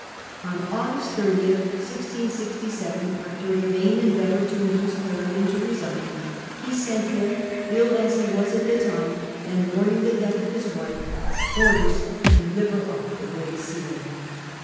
On August 30, 1667 after a vain endeavour to induce Clarendon to resign, he sent him, ill as he was at the time, and mourning the death of his wife, orders to deliver up the Great Seal.